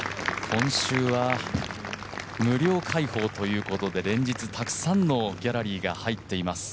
今週は無料開放ということで連日たくさんのギャラリーが入っています。